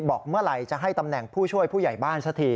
บอกเมื่อไหร่จะให้ตำแหน่งผู้ช่วยผู้ใหญ่บ้านสักที